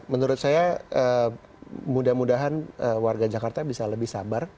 menurut saya mudah mudahan warga jakarta bisa lebih sabar